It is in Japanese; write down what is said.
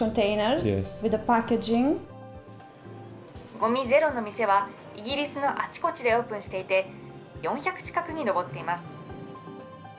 ごみゼロの店は、イギリスのあちこちでオープンしていて、４００近くに上っています。